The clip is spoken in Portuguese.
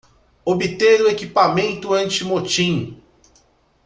Obter o equipamento anti-motim!